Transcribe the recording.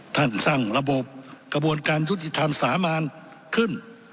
ท่านสร้างระบบกระบวนการยุติธรรมสามารขึ้น